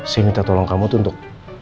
saya minta tolong kamu tuh untuk